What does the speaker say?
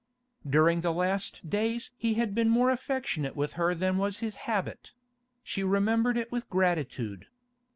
During the last days he had been more affectionate with her than was his habit; she remembered it with gratitude.